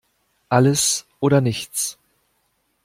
Alles oder nichts!